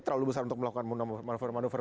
terlalu besar untuk melakukan manuver manuver